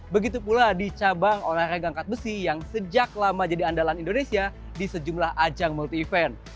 begitu pula di cabang olahraga angkat besi yang sejak lama jadi andalan indonesia di sejumlah ajang multi event